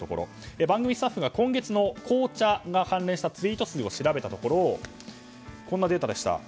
番組スタッフが今月の紅茶が関連したツイート数を調べたところこんなデータでした。